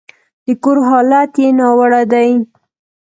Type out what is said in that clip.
د کور حالت يې ناوړه دی.